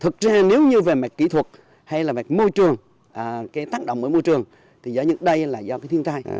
thực ra nếu như về mạch kỹ thuật hay là mạch môi trường cái tác động môi trường thì giống như đây là do cái thiên tai